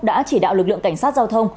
đã chỉ đạo lực lượng cảnh sát giao thông